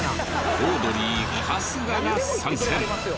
オードリー春日が参戦！